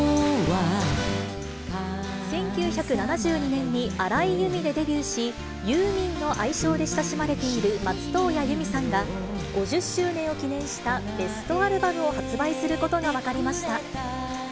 １９７２年に荒井由実でデビューし、ユーミンの愛称で親しまれている松任谷由実さんが、５０周年を記念したベストアルバムを発売することが分かりました。